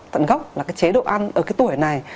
tận gốc là cái chế độ ăn ở cái tuổi này